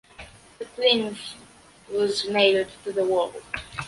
the plinth was nailed to the wall.